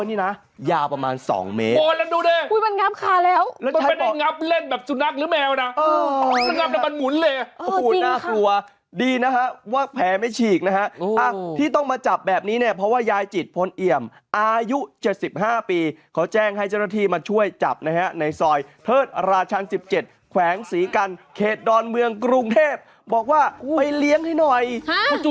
น้ำมันหมุนเลยอ๋อจริงนะครับน่ากลัวดีนะฮะว่าแผลไม่ฉีกนะฮะอ้าวที่ต้องมาจับแบบนี้เนี่ยเพราะว่ายายจิตพลเอี่ยมอายุเจ็ดสิบห้าปีเขาแจ้งให้เจ้าหน้าที่มาช่วยจับนะฮะในซอยเพิร์ชราชรรรย์สิบเจ็ดแขวงศรีกรรมเขตดอนเมืองกรุงเทพฯบอกว่าไปเลี้ยงให้หน่อยฮะ